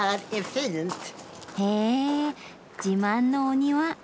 へぇ自慢のお庭！